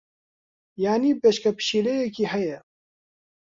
یانی بەچکە پشیلەیەکی ھەیە.